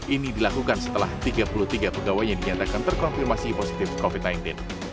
ini dilakukan setelah tiga puluh tiga pegawainya dinyatakan terkonfirmasi positif covid sembilan belas